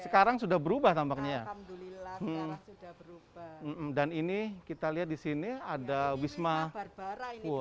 kalau lahirnya kan kita ditampar